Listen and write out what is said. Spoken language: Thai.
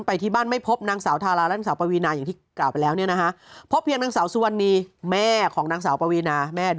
ไปค้นบ้านดังกล่าวเมื่อนำ